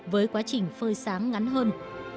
với quá trình phơi sáng ngắn hơn